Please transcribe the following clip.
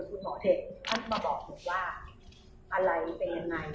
ส่วนคุณหมอเติ้ลมาบอกว่าอะไรเป็นยังไง